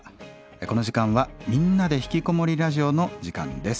この時間は「みんなでひきこもりラジオ」の時間です。